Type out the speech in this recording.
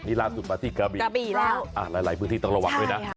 นี่ล่าสุดมาที่กระบี่กระบี่แล้วหลายพื้นที่ต้องระวังด้วยนะ